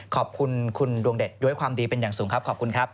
ขอบคุณคุณดวงเด็ดด้วยความดีเป็นอย่างสูงครับขอบคุณครับ